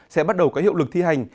sẽ bắt đầu có hiệu lực thi hành